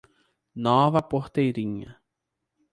Nova Porteirinha